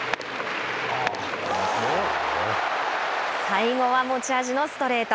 最後は持ち味のストレート。